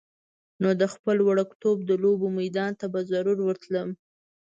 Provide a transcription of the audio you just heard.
نو د خپل وړکتوب د لوبو میدان ته به ضرور ورتللم.